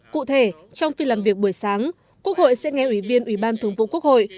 cụ thể trong phiên làm việc buổi sáng quốc hội sẽ nghe ủy viên ủy ban thường vụ quốc hội